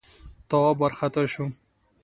تواب وارخطا شو: